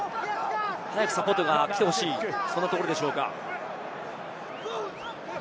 早くサポートが来てほしい、そんなところでしょうか。